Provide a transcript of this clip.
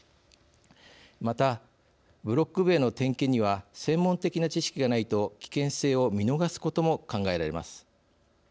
また、ブロック塀の点検には専門的な知識がないと危険性を見逃すことも考えられます。